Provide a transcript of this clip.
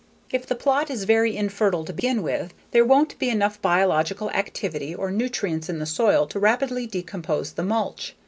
If the plot is very infertile to begin with there won't be enough biological activity or nutrients in the soil to rapidly decompose the mulch.